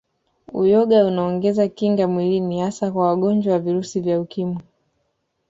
Uyoga unaongeza kinga mwilini hasa kwa wangonjwa wa Virusi vya Ukimwi